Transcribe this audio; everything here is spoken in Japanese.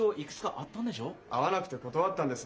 合わなくて断ったんです。